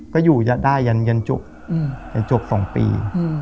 ก็อยู่ได้ยันจบ๒ปี